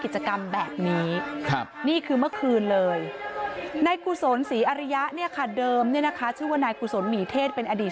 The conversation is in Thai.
ชื่อว่านายกุศลหมีเทศเป็นอดีต